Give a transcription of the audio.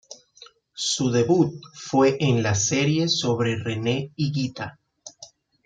Su debut fue en la serie sobre Rene Higuita.